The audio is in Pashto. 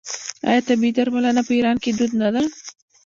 آیا طبیعي درملنه په ایران کې دود نه ده؟